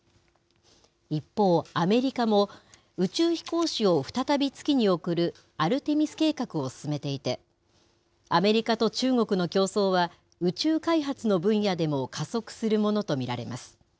一方、アメリカも宇宙飛行士を再び月に送るアルテミス計画を進めていて、アメリカと中国の競争は宇宙開発の分野でも加速するものと見られます。